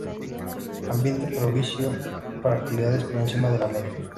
Ambiente propicio para actividades por encima de la media.